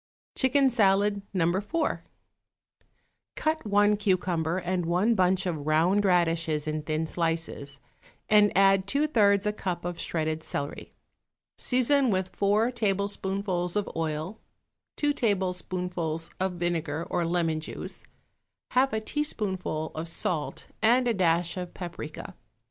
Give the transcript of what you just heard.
=Chicken Salad, No. 4.= Cut one cucumber and one bunch of round radishes in thin slices, and add two thirds a cup of shredded celery. Season with four tablespoonfuls of oil, two tablespoonfuls of vinegar or lemon juice, half a teaspoonful of salt and a dash of paprica.